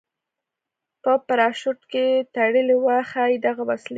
په پراشوټ کې تړلې وه، ښایي دغه وسلې.